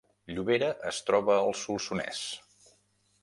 Llobera es troba al Solsonès